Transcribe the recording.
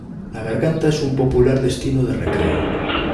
La garganta es un popular destino de recreo.